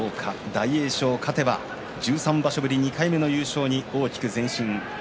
大栄翔、勝てば１３場所ぶり２回目の優勝に大きく前進。